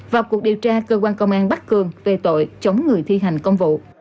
vào cuộc điều tra cơ quan công an bắc cường về tội chống người thi hành công vụ